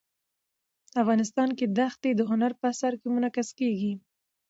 افغانستان کې دښتې د هنر په اثار کې منعکس کېږي.